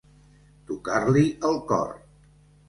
Tocar-li el cor.